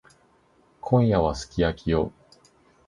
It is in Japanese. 今夜はすき焼きよ。